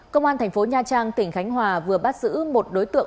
công an thành phố nha trang tỉnh khánh hòa vừa bắt giữ một đối tượng